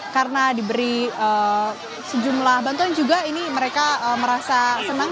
karena diberi sejumlah bantuan juga ini mereka merasa senang